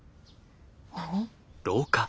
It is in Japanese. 何？